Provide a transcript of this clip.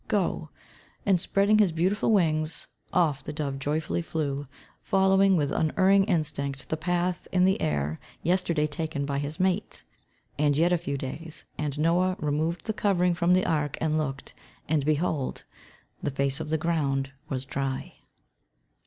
"Go!" And, spreading his beautiful wings, off the dove joyfully flew, following with unerring instinct the path in the air yesterday taken by his mate. And yet a few days and Noah removed the covering from the ark and looked, and behold, the face of the ground was dry.